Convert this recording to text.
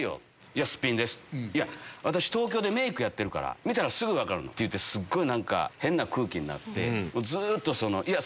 「私東京でメイクやってるから見たらすぐ分かるの」ってすっごい変な空気になって。